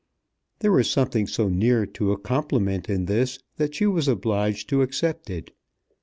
There was something so near to a compliment in this, that she was obliged to accept it.